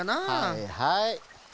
はいはい。